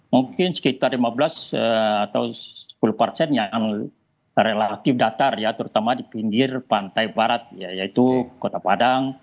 mungkin sekitar lima belas atau sepuluh persen yang relatif datar ya terutama di pinggir pantai barat yaitu kota padang